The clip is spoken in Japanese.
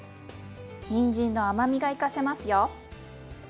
にんじんの甘みが生かせますよ。